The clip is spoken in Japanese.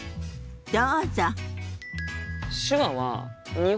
どうぞ。